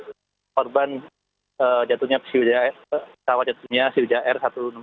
jadi korban jatuhnya pesawat jatuhnya sirja r satu ratus enam puluh dua